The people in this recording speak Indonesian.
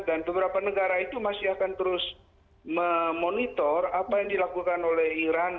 dan beberapa negara itu masih akan terus memonitor apa yang dilakukan oleh iran